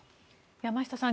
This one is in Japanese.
山下さん